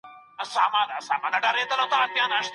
په ګرځېدو کې د چا غوښتنه نه ردېږي.